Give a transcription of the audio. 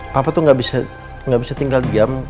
papa tuh gak bisa tinggal diam